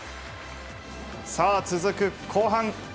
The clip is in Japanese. さあ続く後半。